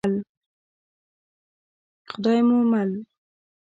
خدای مو مل.